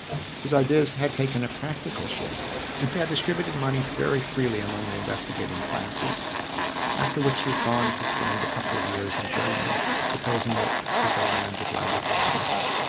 His ideas had taken a practical shape, and he had distributed money very freely among the investigating classes, after which he had gone to spend a couple of years in Germany, supposing it to be the land of laboratories.